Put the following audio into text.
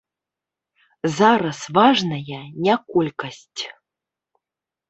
Зараз важная не колькасць.